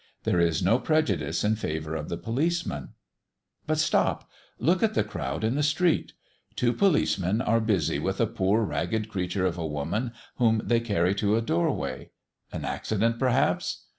There is no prejudice in favour of the policeman. But stop! Look at the crowd in the street. Two policemen are busy with a poor ragged creature of a woman, whom they carry to a doorway. An accident perhaps?